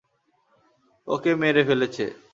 ওকে মেরে ফেলেছে।